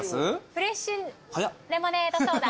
フレッシュレモネードソーダ。